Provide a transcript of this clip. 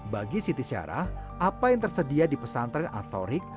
bagi siti syarah apa yang tersedia di pesantren atorik